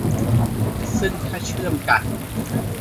ซึ่งถ้าเชื่อมกัน